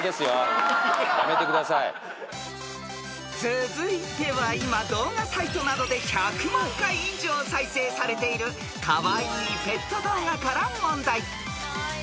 ［続いては今動画サイトなどで１００万回以上再生されているカワイイペット動画から問題］